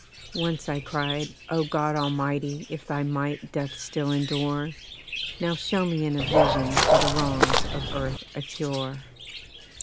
Once I cried: 'Oh, God Almighty! if Thy might doth still endure, Now show me in a vision for the wrongs of Earth a cure.'